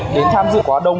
đến tham dự quá đông